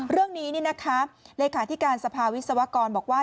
เรื่องนี้เลขาธิการสภาวิศวกรบอกว่า